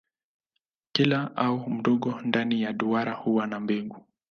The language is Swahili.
Kila ua mdogo ndani ya duara huwa na mbegu.